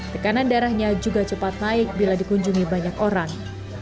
tekanan darahnya juga cepat naik bila dikunjungi banyak orang